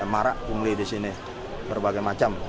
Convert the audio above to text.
marak pungli di sini berbagai macam